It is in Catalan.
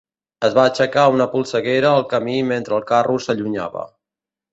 Es va aixecar una polseguera al camí mentre el carro s'allunyava.